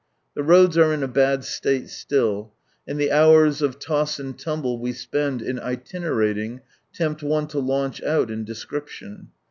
— The roads are in a bad state still, and the hours of Coss and tumble we spend in itinerating, tempt one to launch out in description.